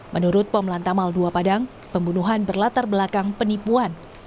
menurut pom lantamal dua padang pembunuhan berlatar belakang penipuan